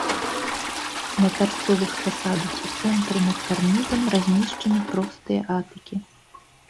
На тарцовых фасадах у цэнтры над карнізам размешчаны простыя атыкі.